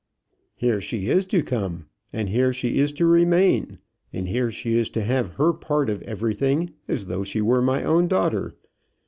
"Here she is to come, and here she is to remain, and here she is to have her part of everything as though she were my own daughter.